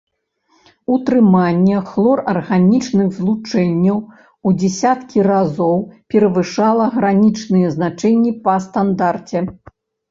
Утрыманне хлорарганічных злучэнняў у дзясяткі разоў перавышала гранічныя значэнні па стандарце.